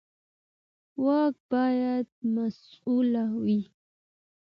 واک باید مسوول وي